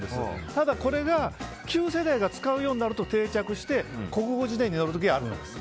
ただ、これが旧世代が使うようになると定着して、国語辞典に載る時があるんです。